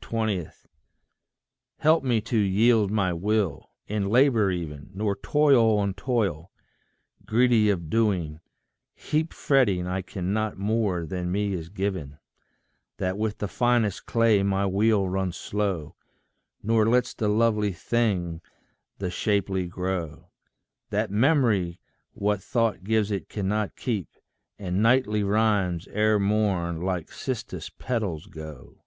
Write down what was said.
20. Help me to yield my will, in labour even, Nor toil on toil, greedy of doing, heap Fretting I cannot more than me is given; That with the finest clay my wheel runs slow, Nor lets the lovely thing the shapely grow; That memory what thought gives it cannot keep, And nightly rimes ere morn like cistus petals go.